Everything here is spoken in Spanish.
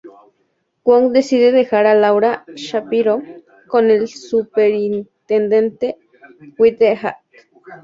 Wong decide dejar a Laura Shapiro con el Superintendente Whitehead.